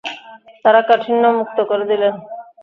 তাকে কাঠিন্য মুক্ত করে দিলেন।